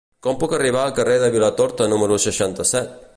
Com puc arribar al carrer de Vilatorta número seixanta-set?